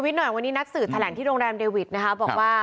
วันนี้นักศึดธารังที่โรงดัมเดวิกบอกว่า